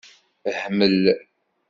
Hmel.